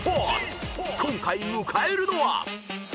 ［今回迎えるのは］